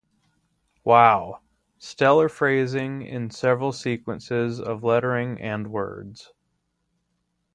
Wow, stellar phrasing in several sequences of lettering and words.